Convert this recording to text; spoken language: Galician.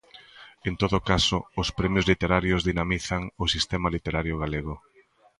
En todo caso, os premios literarios dinamizan o sistema literario galego.